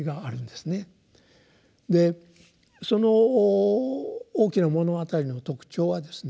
その「大きな物語」の特徴はですね